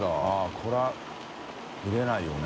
これは見れないよね。